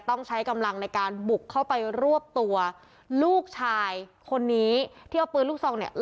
ต้องใช้กำลังในการบุกเข้าไปรวบตัวลูกชายคนนี้ที่เอาปืนลูกซองเนี่ย